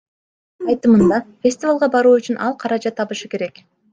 Айтымында, фестивалга баруу үчүн ал каражат табышы керек.